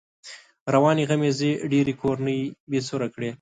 روانې غمېزې ډېری کورنۍ بې سره کړې.